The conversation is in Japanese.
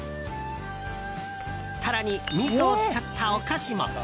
更に、みそを使ったお菓子も。